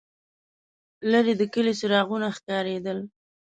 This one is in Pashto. لرې د کلي څراغونه ښکارېدل.